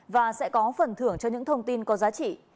và sẽ có phần thưởng cho những thông tin có giá trị